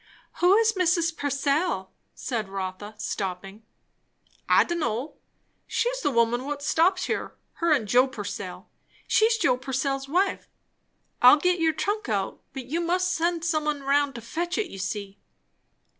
"Who is Mrs. Purcell?" said Rotha stopping. "I d'n' know; she's the woman what stops here; her and Joe Purcell. She's Joe Purcell's wife. I'll git your trunk out, but you must send some un roun' to fetch it, you see."